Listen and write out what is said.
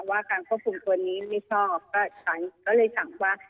ว่าการควบคุมตัวนี้ไม่ชอบก็เลยสั่งว่า